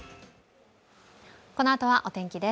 このあとはお天気です。